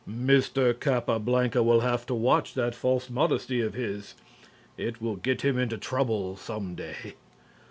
Mr. Capablanca will have to watch that false modesty of his. It will get him into trouble some day.